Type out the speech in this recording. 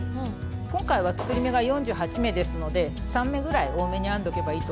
今回は作り目が４８目ですので３目ぐらい多めに編んでおけばいいと思います。